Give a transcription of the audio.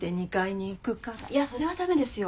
いやそれは駄目ですよ。